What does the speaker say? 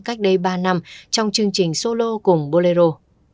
cách đây ba năm trong chương trình solo cùng bolero